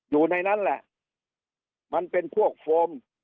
อยู่ในนั้นแหละมันเป็นพวกโฟม